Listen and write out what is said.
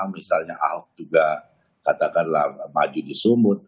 misalnya ahok juga katakanlah maju di sumut